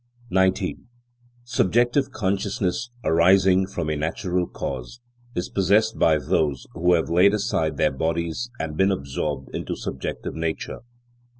Subjective consciousness arising from a natural cause is possessed by those who have laid aside their bodies and been absorbed into subjective nature.